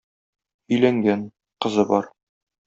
Өйләнгән, кызы бар.